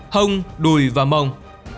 hông đùi và mông